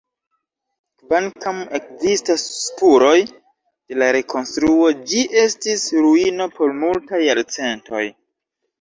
Kvankam ekzistas spuroj de la rekonstruo, ĝi estis ruino por multaj jarcentoj.